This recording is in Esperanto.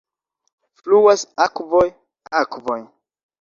Fluas akvoj, akvoj.